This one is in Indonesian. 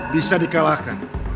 bisa di kalahkan